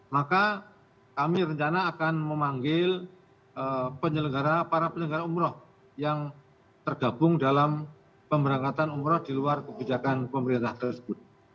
maka kami rencana akan memanggil para penyelenggara umroh yang tergabung dalam pemberangkatan umroh di luar kebijakan pemerintah tersebut